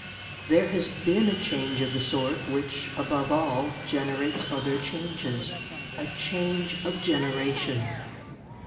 There has been a change of the sort which, above all, generates other changes a change of generation.